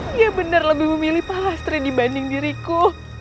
dia benar lebih memilih palestri dibanding diriku